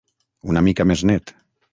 Una mica més net.